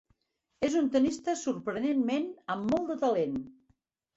És un tenista sorprenentment amb molt de talent.